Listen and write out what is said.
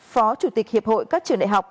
phó chủ tịch hiệp hội các trường đại học